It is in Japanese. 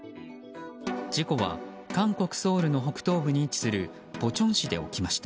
事故は韓国ソウルの北東部に位置するポチョン市で起きました。